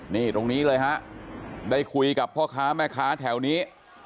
นี่ตรงนี้เลยฮะได้คุยกับพ่อค้าแม่ค้าแถวนี้